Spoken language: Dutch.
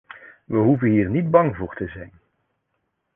We hoeven hier niet bang voor te zijn.